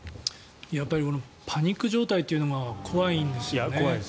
やっぱりパニック状態っていうのが怖いんですよね。